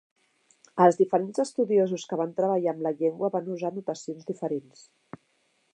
Els diferents estudiosos que van treballar amb la llengua van usar notacions diferents.